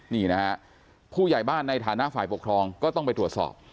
นี่นะฮะผู้ใหญ่บ้านในฐานะฝ่ายปกครองก็ต้องไปตรวจสอบ